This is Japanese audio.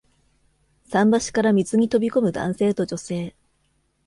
桟橋から水に飛び込む男性と女性。